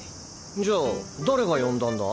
じゃあ誰が呼んだんだ？